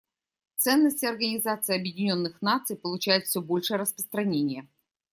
Ценности Организации Объединенных Наций получают все большее распространение.